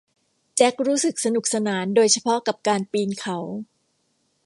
แจ็ครู้สึกสนุกสนานโดยเฉพาะกับการปีนเขา